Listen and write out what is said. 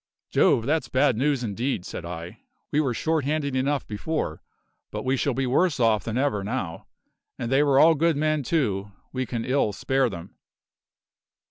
"Jove! that's bad news indeed," said I. "We were short handed enough before, but we shall be worse off than ever now. And they were all good men, too; we can ill spare them."